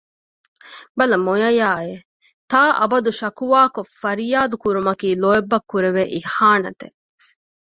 ބަލަ މޮޔަޔާއެވެ! ތާއަބަދު ޝަކުވާކޮށް ފަރިޔާދު ކުރުމަކީ ލޯތްބަށް ކުރެވޭ އިހާނަތެއް